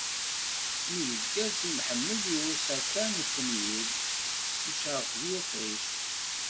Mi yezger Si Mḥemmed i usaka n Finyil, icṛeq-d yiṭij.